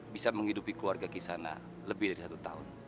bisa menghidupi keluarga kisah nak lebih dari satu tahun